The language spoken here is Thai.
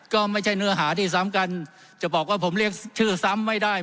ก็ไม่ใช่เนื้อหาที่ซ้ำกันจะบอกว่าผมเรียกชื่อซ้ำไม่ได้